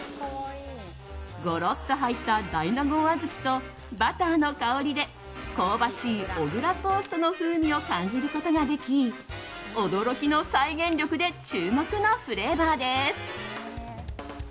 ゴロッと入った大納言あずきとバターの香りで香ばしい小倉トーストの風味を感じることができ驚きの再現力で注目のフレーバーです。